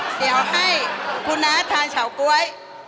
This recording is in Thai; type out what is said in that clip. เดี๋ยวให้คุณน้าทานเฉาก๊วย